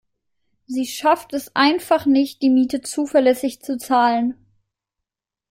Sie schafft es einfach nicht, die Miete zuverlässig zu zahlen.